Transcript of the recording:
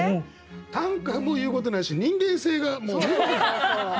短歌も言うことないし人間性がもう。